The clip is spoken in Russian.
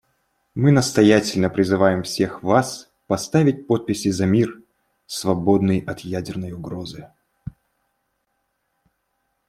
Мы настоятельно призываем всех вас поставить подписи за мир, свободный от ядерной угрозы.